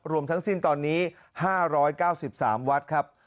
รวมทั้งสิ้นตอนนี้๕๙๓วัดครับ